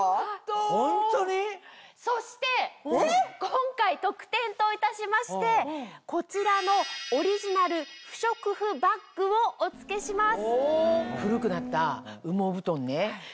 ホントに⁉そして今回特典といたしましてこちらのオリジナル不織布バッグをお付けします。